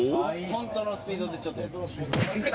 本当のスピードでちょっとやってみて。